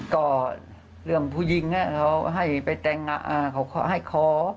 ก็เรื่องผู้หญิงเขาให้ไปแต่งเขาขอให้ขอ